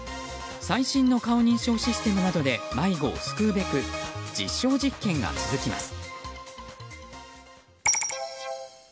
最新の顔認証システムなどで迷子を救うべく実証実験が続きます。